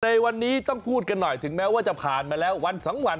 ในวันนี้ต้องพูดกันหน่อยถึงแม้ว่าจะผ่านมาแล้ววันสองวัน